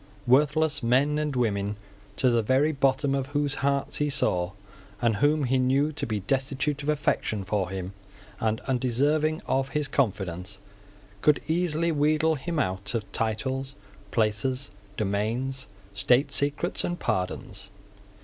Worthless men and women, to the very bottom of whose hearts he saw, and whom he knew to be destitute of affection for him and undeserving of his confidence, could easily wheedle him out of titles, places, domains, state secrets and pardons.